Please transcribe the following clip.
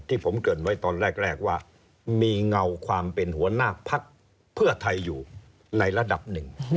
ที่ผมเกิดไว้ตอนแรกว่ามีเงาความเป็นหัวหน้าพักเพื่อไทยอยู่ในระดับหนึ่ง